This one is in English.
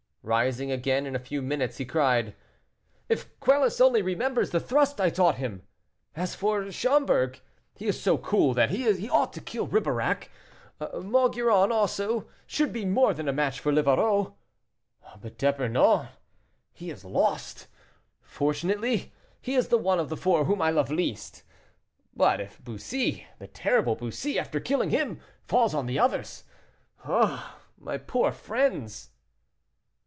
Rising again in a few minutes, he cried: "If Quelus only remembers the thrust I taught him! As for Schomberg, he is so cool that he ought to kill Ribeirac; Maugiron, also, should be more than a match for Livarot. But D'Epernon, he is lost; fortunately he is the one of the four whom I love least. But if Bussy, the terrible Bussy, after killing him, falls on the others! Ah, my poor friends!"